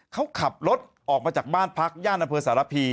เขาขับรถออกมาจากบ้านพักย่านอำเภอสารพี